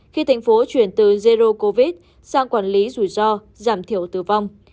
khi thành phố chuyển từ zero covid sang quản lý rủi ro giảm thiểu tử vong